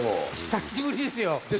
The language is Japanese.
久しぶりですよ。